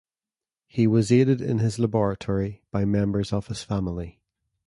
He was aided in his laboratory by members of his family.